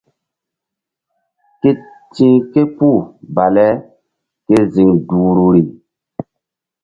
Ke ti̧h ke puh baleke ziŋ duhruri.